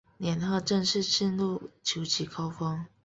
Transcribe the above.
年后正式进入求职高峰